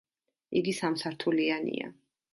იგი სამ სართულიანია.